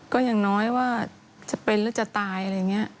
ก็อย่างน้อยว่าจะเป็นหรือจะตายอะไรอย่างนี้